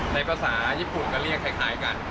ในภาษาญี่ปุ่นก็เรียกคล้ายกัน